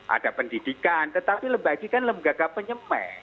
ada pendidikan tetapi lembaga ini kan lembaga penyemek